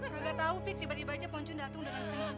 gak tau vick tiba tiba aja poncun datung